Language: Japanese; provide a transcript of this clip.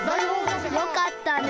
よかったね。